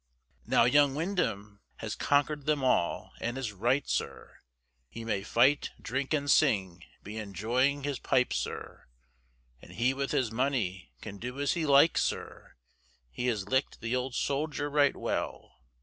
Now young Windham has conquered them all, and is right, sir, He may fight, drink and sing, be enjoying his pipe, sir, And he with his money can do as he likes, sir, He has licked the old soldier right well.